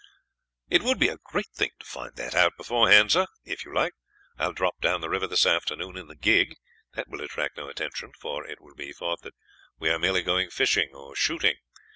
"It would be a great thing to find that out beforehand, sir. If you like, I will drop down the river this afternoon in the gig; that will attract no attention, for it will be thought that we are merely going fishing or shooting.